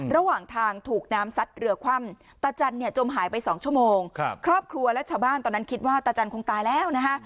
ระหว่างทางถูกน้ำซัดเรือคว่ำตาจันเนี่ยจมหายไป๒ชั่วโมงครอบครัวและชาวบ้านตอนนั้นคิดว่าตาจันคงตายแล้วนะฮะ